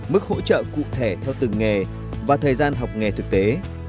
mức hỗ trợ cụ thể theo từng nghề và thời gian học nghề thực tế